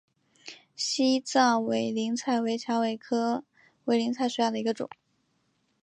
西藏委陵菜为蔷薇科委陵菜属下的一个种。